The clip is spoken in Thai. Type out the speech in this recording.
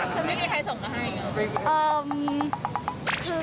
ฉันไม่มีใครส่งมาให้